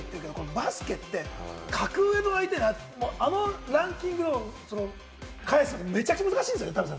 バスケって格上の相手を、あのランキングをひっくり返すのはめちゃくちゃ難しいですよね。